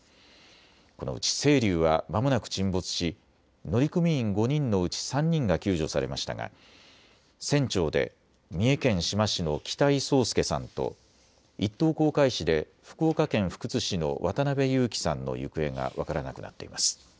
このうち、せいりゅうはまもなく沈没し乗組員５人のうち３人が救助されましたが船長で三重県志摩市の北井宗祐さんと一等航海士で福岡県福津市の渡辺侑樹さんの行方が分からなくなっています。